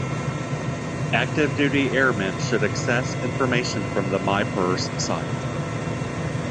Active Duty Airmen should access information from the MyPers site.